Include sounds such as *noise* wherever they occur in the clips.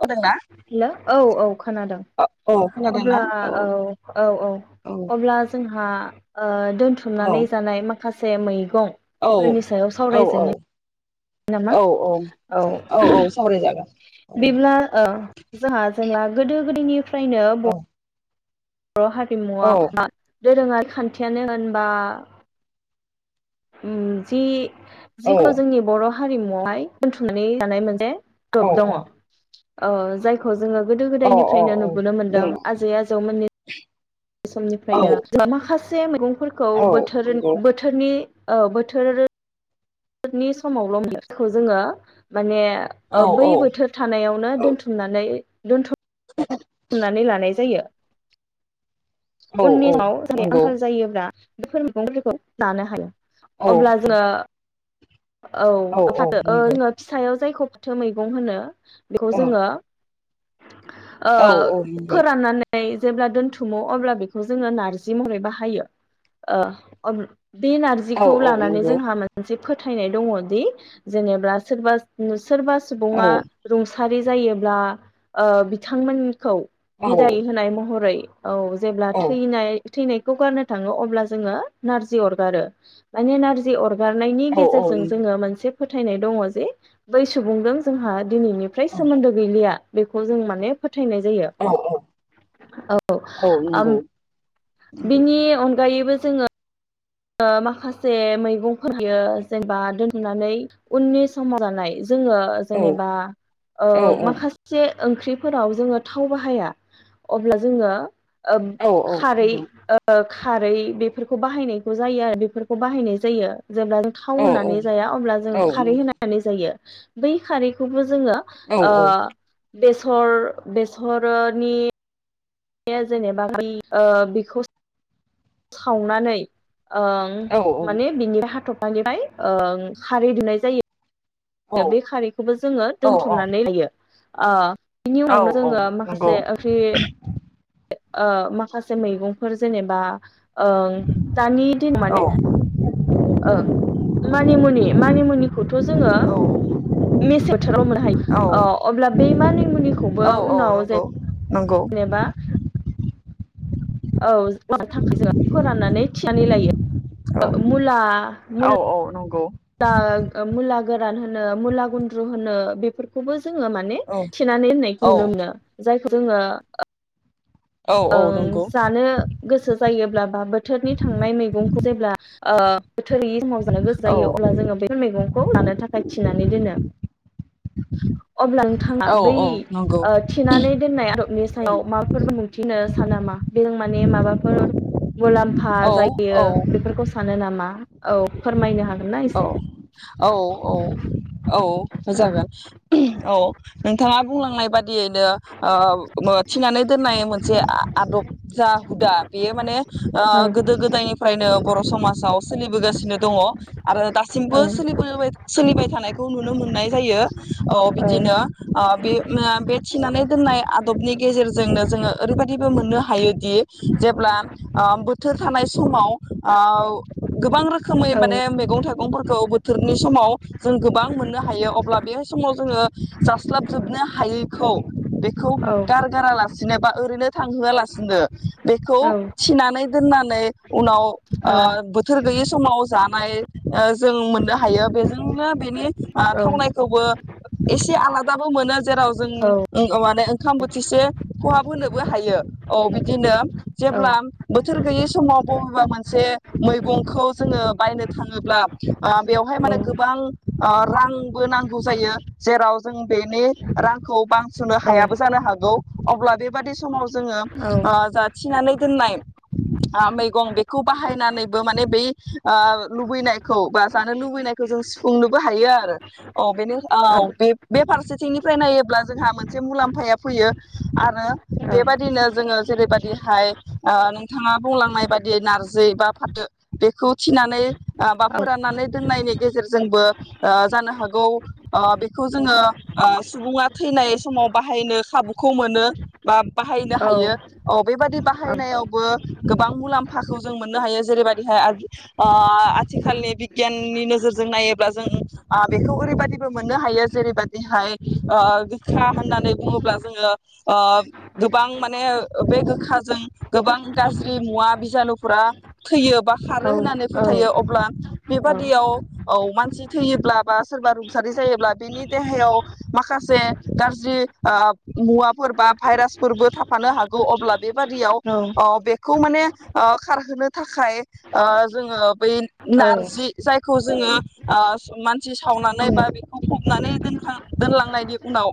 खोनादोंना हेल औ औ खोनादों औ खोनादोंना अब्ला औ औ औ अब्ला जों हा ओ। औ दोनथुमनानै जानाय। माखासे मै। मैगंफोरनि औ सायाव औ सावरायदोनि। नामा औ औ औ सावरायजागोन औ बिदिब्ला औ जोंहा जोंला गोदो गोदोनि फ्रायनो ब बर' औ हारिमुआव बा दोरोङारि खान्थियानो होनबा उम जि औ जिखुनु जोंनि बर' हारिमुआवहाय दोनथुमनानै जानाय मोनसे औ दब दङ। औ जायखौ जोङो गोदो औ औ गोदायनिफ्रायनो औ नुबोनो मोनदों दङ आजै आजौमोननि बे औ समनिफ्रायनो *unintelligible* *unintelligible* फोरखौ औ बोथोर नंगौ बोथोरनि औ बोथोर। थोरनि समावल' बेखौ जोङो माने औ ओ बै औ बोथोर थानायावनो दोनथुमनानै दोनथुम थुमनानै लानाय जायो। औ उननि औ समाव जेरै नंगौ आंखाल जायोब्ला औ *unintelligible* अब्ला जो औ फाथो ओ जोङो फिसायाव जायखौ। फाथो मैगं होनो। बेखौ जोङो। औ ओ औ नंगौ फोराननानै जेब्ला दोनथुमो अब्ला बेखौ जोङो नारजि महरै बाहायो ओ अब बे औ नारजिखौ औ लानानै नंगौ जोंहा मोनसे फोथायनाय दङ दि जेनेब्ला सोरबा *unintelligible* सोरबा सुबुङा औ रुंसा सारि जायोब्ला। ओ बिथांमोननि खौ बिदाय होनाय महरै औ जेब्ला थैनाय। थैनायखौ गारनो थाङो अब्ला जोङो नारजि अरगारो माने नारजि अर बारनायनि गेजेरजों जोङो मोनसे फोथायनाय दङ जे बै सुबुंजों जोंहा दिनैनिफ्राय सोमोन्दो गैलिया। बेखौ जों माने फोथ फोथायनाय जायो औ औ औ ओम नंगौ नंगौ बेनि अंक गायोबो जोङो ओ माखासे मैगंफोर होयो जेनेबा दोनथुमनानै उननि समाव जानाय। जोङो औ जेनेबा ओ औ माखासे ओंख्रिफोराव जोङो थाव बाहाया अब्ला जोङो ओ औ खारै नंगौ ओ खारै बे फोरखौ बाहायनाय खौ जायो आरो बेफोरखौ बाहायनाय जायो। जेब्ला जों खाव औ होनानै जाया अब्ला जोङो औ औ खारै होनानै जायो। बै खारैखौबो जोङो औ ओ बेसर बेसर'नि ए जेनेबा बै ओ बिखौ खावनानै ओं माने बिनि हाथफ मानिफ्राय ओं खारै दुनाय जायो। बे खारैखौबो जोङो औ दोनथुमनानै लायो। आ औ औ नंगौ। ओमाखासे मैगंफोर जेनेबा ओं दानि दिनाव औ माने ओ मानिमुनि मानिमुनिखौथ' जोङो औ मेसेवथाराव मोननो औ हायो ओ अब्ला बेै औ मानिमुनिखौबो औ उनाव नंगौ जेन नंगौ जेनेबा औ। थाखाय जों फोराननानै थिनानै लायो औ ओ मुला औ मुला औ नंगौ दाल ओ मुला गोरान होनो मुला गुन्द्रु होनो बेफोरखौबो ज जोङो माने औ थिनानै औ होननायखौ नुनो मोनो जायख जोङो ओ औ औ ओं नंगौ जानो गोसो जायोब्लाब बाबो बोथोरनि थांनाय मैगंखौ जेब्ला ओ बोथोर गैयै समाव जानो गोसो औ जायो अब्ला जोङो बेफोर मैगं खौ लानो थाखाय थिनानै दोनो। अब्ला नोंथाङा औ बै औ नंगौ ओ थिनानै दोननाय आदबनि स फुंआव माबफोर बुंनो थिनो सानामा बेजों माने माबाफोर मुलाम्फा औ जायो बेफोरखौ सानो नामा? औ फोरमायनो हाग औ औ औ औ ओ जागोन औ नोंथाङा बुंलांनाय बादियैदो ओ मो थिनानै दोननाय मोनसे आ-आदब जा हुदा बेयो माने ओ औ गोदो गोदायनिफ्रायनो बर' समाजाव सोलिबोगासिनो दङ। आरो दासिमबो सोलि बोबाय सोलिबाय थानायखौ नुनो मोननाय जायो। औ बिदिनो ओ बे नो बे थिनानै दोननाय आदबनि गेजेरजोंनो जोङो ओरैबायदिबो मोननो हायोदि जेब्ला ओ बोथोर थानाय समाव ओ गोबां रोख खोमै औ माने थाइगंफोरखौ बोथोरनि समाव जों गोबां मोननो हायो अब्ला बे समाव जोङो जास्लाबजोबनो हायैखौ बेख खौ औ गारगारा लास दिनोबा ओरैनो थांहोआलासिनो बेखौ औ थिनानै दोननानै उनाव ओ औ बोथोर गैयि समाव जानाय ओ जों मोननो हायो बेजोंनो बेनि ओ थावनायखौबो एसे आलादाबो मोनो जेराव औ जों *unintelligible* बे ओंखाम बोथिसे खहाब होनोबो हायो। औ बिदिनो जेब्ला बोथोर गैयि समाव बबेबा मोनसे मैगंखौ जोङो बायनो थां ङोब्ला ओ बेवहाय माने गोबां ओ रांबो नांगौ जायो जेराव जों बेनि रांखौ बांस'नो हायाबो जानो हागौ अब्ला बेबादि समाव जोङो औ ओ जा थिनानै दोननाय ओ मैगं बेखौ बाहायनानैबो माने बै ओ लुबैनायखौ बा जानो लुबैनायखौ जों सुफुंनोबो हायो आरो। औ बेनि औ बे बे फारसेथिंनिफ्राय नायोब्ला जोंहा मोनसे मुलाम्फाया फैयो आरो बेबायदिनो जोङो जेरैबायदिहाय ओ नोंथाङा बुंलांनाय बादि नारजि बा फाथो बेखौ थिनानै माबा फोराननानै दोननायनि गेजेरजोंबो ओ जानो हागौ ओ बेखौ जोङो ओ सुबुङा थैनाय समाव बाहायनो खाबुखौ मोनो बा बाहायनो औ हायो औ बेबादि औ बाहायनायावबो गोबां मुलाम्फाखौ जों मोननो हायो जेरैबायदिहाय ओ- आथिखालनि बिगियाननि नोजोरजों नायोब्ला जों आ बेखौ ओरैबिबो मोननो हायो जेरैबायदिहाय ओ गोखा होननानै बुङोब्ला जोङो ओ गोबां माने बे गोखाजों गोबां गाज्रि मुवा बिजानुफोरा थैयो बा खारो नंगौ होननानै फोथायो अब बेबादियाव औ मानसि थैयोब्ला बा सोरबा रुंसारि जायोब्ला बेनि देहायाव माखासे गाज्रि ओ मुवाफोर बा भाइरासफोरबो थाफानो हागौ अब्ला बेबादियाव औ बे खौ माने खारहोनो थाखाय जोङो बै नारजि जाय खौ जोङो ओ मानसि सावनानै बा बेखौ फबनानै दोनलांनायनि उनाव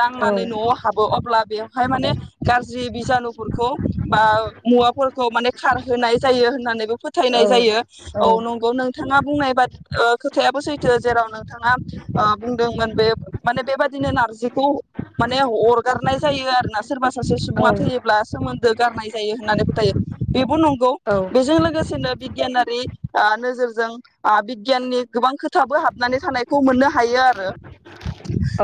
दांनानै नआव हाब अब्ला बेवहाय माने गाज्रि बिजानुफोरखौ बा मुवाफोरखौ माने खारहोनाय जायो होननानैबो फोथायनाय जायो। औ नंगौ नों नोंथाङा बुंनाय बादि खोथायाबो सैथो जेराव नोंथाङा ओ बुंदोंमोन बे माने बेबादिनो नारजिखौ माने अरगारनाय जायो आरोना सोरबा सासे सुबुङा थैयोब्ला सोमोन्दो गारनाय जायो होननानै फोथायो बेबो नं नंगौ बेजों लोगोसेनो बिगियाना रि नोजोरजों बिगियाननि गोबां खोथाबो हाबनानै थानायखौ मोननो हायो आरो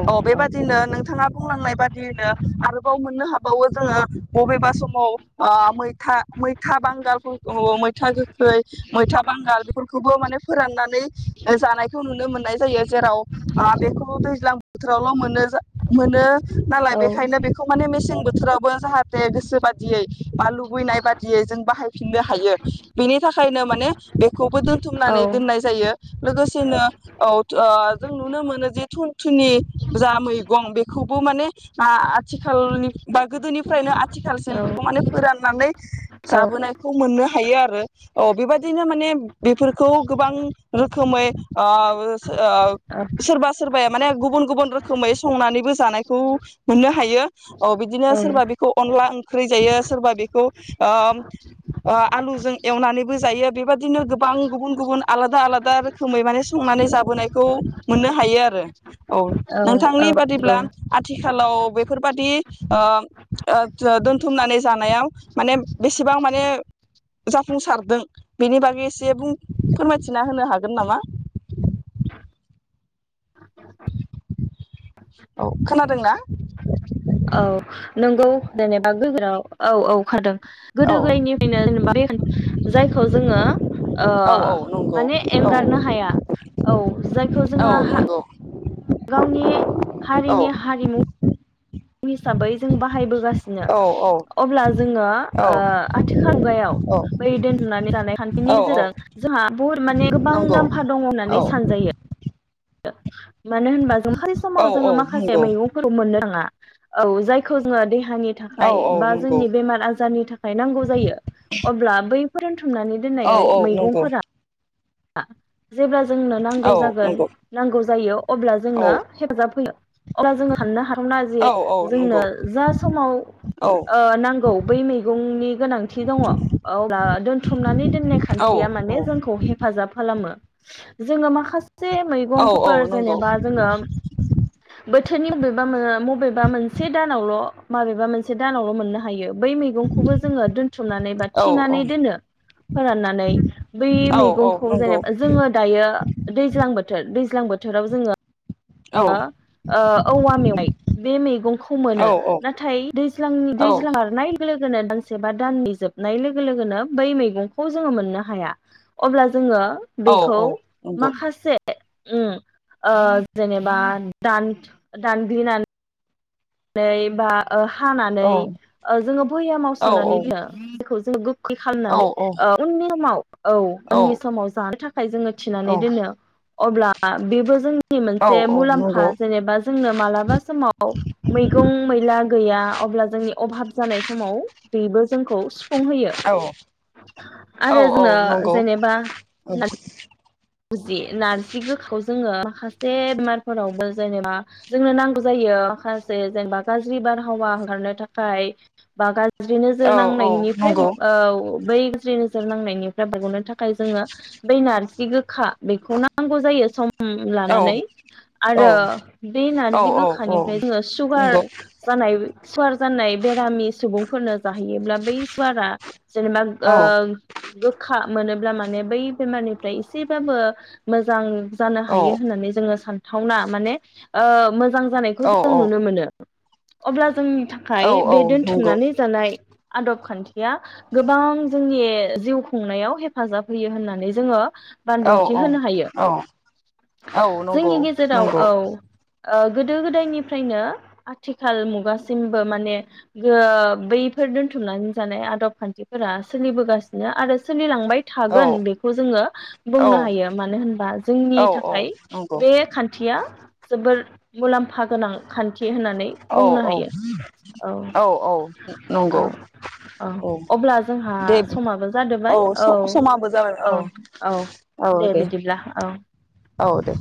अ बेबादिनो नोंथाङा बुंलांनाय बादियैनो आरोबाव मोननो हाबावो जोङो बबेबा सम आव मैथा मैथा बांगालफोरखौ मैथा गोखै बांगाल बेफोरखौबो माने फोराननानै जानायखौ नुनो मोनो जेराव बेखौ ओ दैज्लां गोजां बोथोरावल मोनो जा मोनो नालाय बेखायनो बेखौ माने मेसें बोथोरावबो जाहा गोसो बादियै बा लुबैनाय बाददियै जों बाहाय फिननो हायो बेनि थाखायनो माने बेखौबो दोनथुमनानै दोननाय जायो। *unintelligible* औ नुनो मोनोदि थुनि जा मैगं बेखौबो माने आथिखालनि बा गोदोनिफ्रायनो आथिखालसिम बेखौ माने फोराननानै जाबोनायखौ मोननो हायो आरो अ बेबादि दिनो माने बेफोरखौ गोबां रोखोमै ओ सोरबा सोरबाया माने गुबुन गुबुन रोखोमै संनानै जानायखौ खौ नुनो हायो बिदिनो सोरबा बेखौ अनला ओंख्रि जायो सोरबा बेखौ ओ आलुजों एवनानैबो जायो। बिदिनो गोबां गुबुन गुबुन आलादा आलादा रोखोमै माने संनानै जाबोनायखौ मोननो हायो आरो औ नोंथांनि बादिब्ला आथिखालाव बेफोरबादि ओ ओ दोनथुमनानै जानायाव माने बेसेबां माने जाफुंसारदों? एसे बुंफोर फोरमायथिना होनो हागोन नामा? *unintelligible* औ खोनादोंना औ नोंगौ। जेनेबा गोजोराव औ औ खारदों। औ गोदो गोदायनिफ्रायनो जेनोबा बे *unintelligible* जायखौ जोङो ओ औ औ नंगौ माने औ एंगारनो हाया औ जायखौ औ जोङो हा नंगौ गावनि औ हारिनि हारिमु हिसाबै जों बाहायबोगासिनो औ अब्ला जोङो औ ओ आथिखाल‌ मुगायाव बै दोनथुमनानै जानाय औ खान्थिनि गेजेरजों जोंहा बुहुथ माने गोबां नंगौ मुलाम्फा दङ औ होननानै सानजायो। *unintelligible* मानो होनबा जों खालि समाव औ औ जोङो माखासे नंगौ मैगंफोरखौ मोननो थाङा। औ जायखौ जोङो दे हानि औ थाखाय औ बा नंगौ जोंनि बेमार आजारनि थाखाय नांगौ जायो अब्ला बै बुथुमनानै औ दोननायै नंगौ मैगंफोरा *unintelligible* जेब्ला जोंनो औ नांगौ जागोन नंगौ नांगौ जायो अब्ला औ जोंनो हेफाजाब होयो। अब्ला जों साननो हाथावना औ जे औ जोंनो नंगौ जा समाव औ ओ नांगौ बै मैगंनि गोनांथि दङ अब्ला दोनथुमनानै दोननाय औ खान्थिया माने जोंखौ हे खालामो जोङो मा खासे औ औ मैगंफोर नंगौ जेनोबा जोङो बोथोरनि मबेबा मबेबा मोनसे दानावल' माबेबा मोनसे दानावल' मोननो हायो। बै मैगंखौबो जोङो दोनथुमनानै बा औ थिनानै दोनो फोराननानै बै‌ औ मैगं औ खौ नंगौ जेनोबा जोङो दायो दैज्लां बोथोर दैज्लां बोथोराव जोङो औ ओ ओ औवा मेवाइ बे मैगंखौ मोनो औ नंगौ औ नाथाय दैज्लांनि औ दैज्लां औ औ बारनाय लोगो लोगोनो दानसे बा दाननि जोबनाय लोगो लोगोनो बै मैगंखौ जोङो मोननो हाया। अब्ला जोङो औ औ बेखौ नंगौ माखासे से उ ओ जेनोबा दान दानग्लिना नै बा ओ हानानै औ ओ जोङो बोयामाव औ सोनानै नंगौ दोनो। जायखौ जों गो खै औ खालामनानै ओ उननि समाव औ उननि समाव जानो थाखाय खाय जोंङो थिनानै दोनो। अब्ला बेबो जों नि औ नंगौ औ मोनसे मुलाम्फा जेनेबा जोंनो मालाबा समाव मैगं मैला गैया अब्ला जोंनि अभाब जानाय समाव बेबो जोंखौ संहयो आरो जोंङो जेनेबा जि नारजि गोखाव जि जोंङो माखासे बेमारफोरावबो जेनेबा जोंनो नांगौ जायो माखासे जेनेबा गाज्रि बारहावा हंगारनो थाखाय बा गा गाज्रि नोजोर नांनायनिफ्राय नंगौ औ बै गाज्रि नोजोर नांनायनिफ्राय बारग'नो थाखाय जोंङो बै नारजि गो खा बेखौ नांगौ जायो सम उम्म औ औ लानानै औ आरो बे नारजि गोखानिफ्राय औ जोंङो सुगार जानाय सुवार जानाय बेरामि सुबुंफोरनो जाहोयोब्ला बै सुवारा जेनेबा ओ गोखा मोनोब्ला माने बै बेमारनिफ्राय एसेबाबो मोजां जानो हायो होननानै जोंङो सान थावना, माने ओ मोजां जानायखौ जों नुनो मोनो। अब्ला जों थाखाय बे दोनथुमनानै जानाय आदब खान्थिया गोबां जोंनि जिउ खुंनायाव हेफाजाब होयो होननानै जोंङो बानबुंथि होनो हायो नंगौ जोंनि गेजेराव नंगौ औ ओ गोदो गोदायनिफ्रायनो आथिखाल मुगासिमबो माने गो बैफोर दोनथुमनानै जानाय आदब खान्थिफोरा सोलिबोगासिनो आरो सोलिलां औ थागोन बेखौ जोंङो औ बुंनो हायो, मानो होनबा जोंनि औ औ थाखाय नंगौ बे खान थिया जोबोर मुलाम्फा गोनां खान थि होननानै औ बुंनो औ हायो। औ औ नंगौ औ अब्ला जोंहा दे समाबो जादोबाय औ समाबो जाबाय औ औ। औ दे बिदिब्ला औ औ दे।